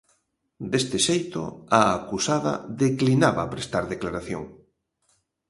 Deste xeito, a acusada declinaba prestar declaración.